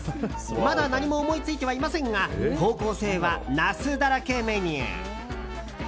まだ何も思いついてはいませんが方向性はナスだらけメニュー。